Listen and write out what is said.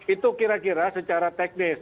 itu kira kira secara teknis